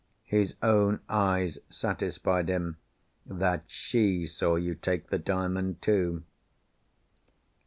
His own eyes satisfied him that she saw you take the Diamond, too.